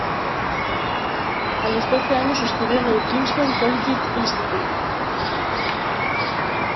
A los doce años, estudió en el Kingston Collegiate Institute.